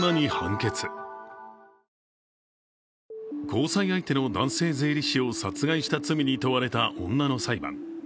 交際相手の男性税理士を殺害した罪に問われた女の裁判。